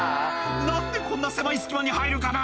「何でこんな狭い隙間に入るかな」